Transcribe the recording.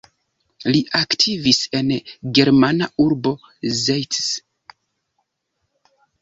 Li aktivis en germana urbo Zeitz.